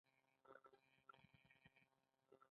د دایکنډي په شهرستان کې د مسو نښې شته.